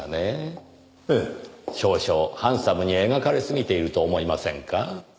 少々ハンサムに描かれすぎていると思いませんか？